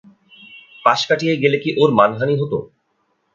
পাশ কাটিয়ে গেলে কি ওর মানহানি হত।